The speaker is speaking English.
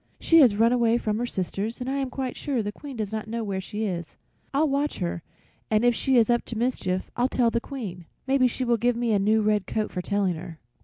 "She has run away from her sisters, and I am quite sure the Queen does not know where she is. I'll watch her, and if she is up to mischief I'll tell the Queen. Maybe she will give me a new red coat for telling her."